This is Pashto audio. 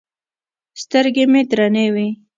سترګې مې درنې وې.